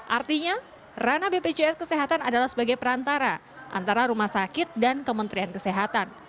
artinya ranah bpjs kesehatan adalah sebagai perantara antara rumah sakit dan kementerian kesehatan